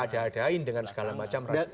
ada adain dengan segala macam rasmi